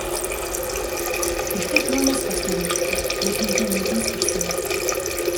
Тэгтэл юунаас болсныг мэдэхгүй нүдэнд нь нулимс хурсан билээ.